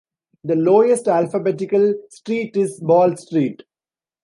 The "lowest" alphabetical street is Ball Street.